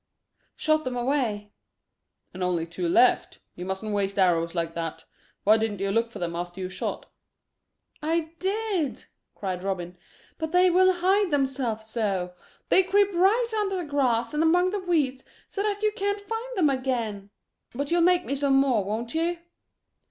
"Shot them away." "And only two left. You mustn't waste arrows like that. Why didn't you look for them after you shot?" "I did," cried Robin, "but they will hide themselves so. They creep right under the grass and among the weeds so that you can't find them again. But you'll make me some more, won't you?"